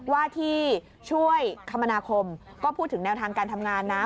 ว่าที่ช่วยคมนาคมก็พูดถึงแนวทางการทำงานนะ